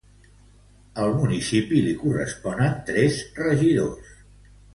Al municipi li corresponen tres regidors.